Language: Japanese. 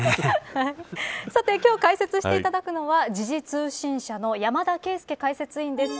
さて今日解説していただくのは時事通信社の山田惠資解説委員です。